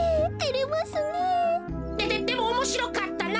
でででもおもしろかったな。